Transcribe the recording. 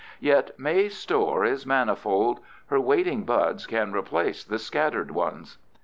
Yet May's store is manifold; her waiting buds can replace the scattered ones.